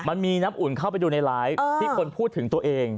มันมีน้ำอุ่นเข้าไปดูในไลฟ์ที่คนพูดถึงตัวเอง